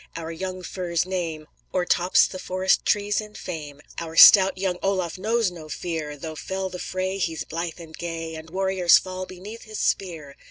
our young fir's name O'ertops the forest trees in fame, Our stout young Olaf knows no fear. Though fell the fray, He's blithe and gay, And warriors fall beneath his spear.